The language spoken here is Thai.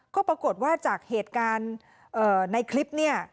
ก็ปรากฏว่าจากเหตุการณ์ในคลิปเนี่ย